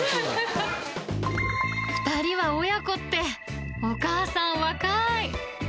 ２人は親子って、お母さん、若い。